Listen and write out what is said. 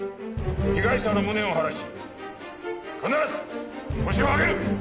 被害者の無念を晴らし必ずホシを挙げる！